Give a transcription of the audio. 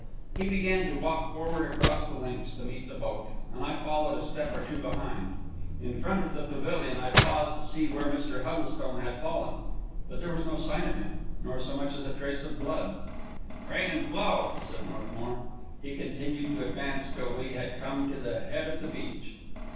He began to walk forward across the links to meet the boat, and I followed a step or two behind. In front of the pavilion I paused to see where Mr. Huddlestone had fallen; but there was no sign of him, nor so much as a trace of blood. "Graden Floe," said Northmour. He continued to advance till we had come to the head of the beach.